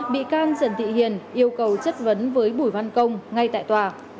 bị can trần thị hiền yêu cầu chất vấn với bùi văn công ngay tại tòa